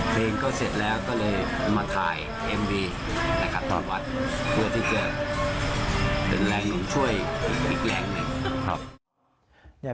เพื่อที่จะเป็นแรงหน่อยช่วยอีกแรงหนึ่ง